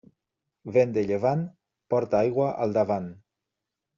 Vent de llevant, porta aigua al davant.